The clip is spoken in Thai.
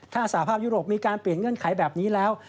ถ้าสหภาพยุโรปมีการเปลี่ยนเงื่อนไขแบบนี้แล้ว